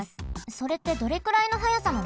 それってどれくらいの速さなの？